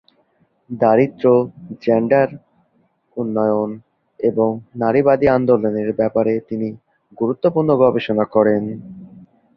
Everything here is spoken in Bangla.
দারিদ্র্য, জেন্ডার, উন্নয়ন এবং নারীবাদী আন্দোলনের ব্যাপারে তিনি গুরুত্বপূর্ণ গবেষণা করেন।